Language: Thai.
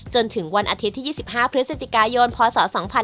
จนถึงวันอาทิตย์ที่๒๕พศยพศ๒๕๖๑